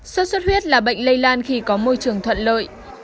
sốt xuất huyết là bệnh lây lan khi có môi trường thuận lợi